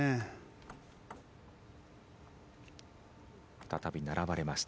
再び並ばれました。